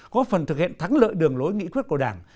có phần thực hiện thắng lợi đường lối nghị quyết của đảng